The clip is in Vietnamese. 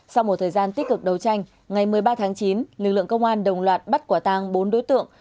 sau một thời gian tích cực đấu tranh ngày một mươi ba tháng chín lực lượng công an đồng loạt bắt quả tăng bốn đối tượng